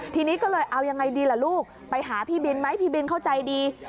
ทีนี้ก็เลยเอายังไงดีล่ะลูกไปหาพี่บินไหมพี่บินเข้าใจดี